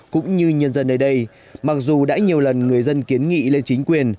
cũng như nhân dân nơi đây mặc dù đã nhiều lần người dân kiến nghị lên chính quyền